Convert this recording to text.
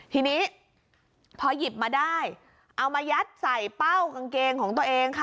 ทีนี้พอหยิบมาได้เอามายัดใส่เป้ากางเกงของตัวเองค่ะ